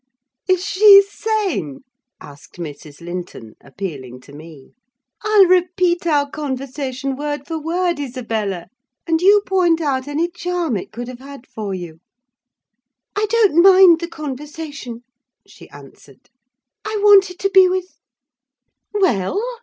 "Is she sane?" asked Mrs. Linton, appealing to me. "I'll repeat our conversation, word for word, Isabella; and you point out any charm it could have had for you." "I don't mind the conversation," she answered: "I wanted to be with—" "Well?"